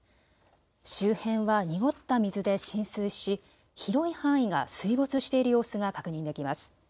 周辺は濁った水で浸水し広い範囲が水没している様子が確認できます。